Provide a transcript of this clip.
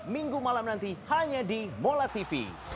minggu malam nanti hanya di mola tv